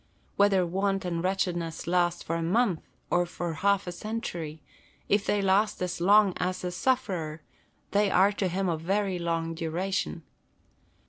Whether want and wretchedness last for a month or for half a century, if they last as long as the sufferer, they are to him of very long duration.